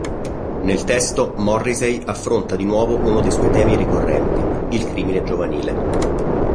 Nel testo, Morrissey, affronta di nuovo uno dei suoi temi ricorrenti: il crimine giovanile.